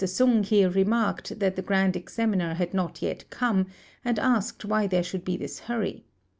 Sung here remarked that the Grand Examiner had not yet come, and asked why there should be this hurry.